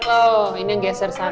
oh ini yang geser sana